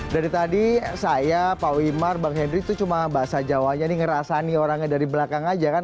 dari tadi saya pak wimar bang henry itu cuma bahasa jawanya nih ngerasani orangnya dari belakang aja kan